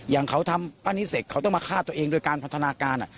อย่างเขาทำป้านิสเศกเขาต้องมาฆ่าตัวเองโดยการพันธนาการ